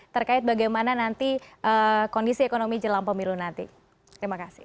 terkait bagaimana nanti kondisi ekonomi jelang pemilu nanti terima kasih